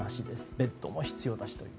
ベッドも必要だしと。